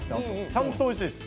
ちゃんとおいしいです。